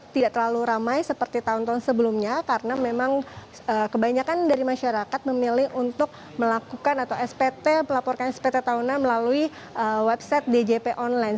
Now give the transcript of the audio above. tidak terlalu ramai seperti tahun tahun sebelumnya karena memang kebanyakan dari masyarakat memilih untuk melakukan atau spt melaporkan spt tahunan melalui website djp online